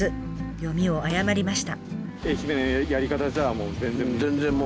読みを誤りました。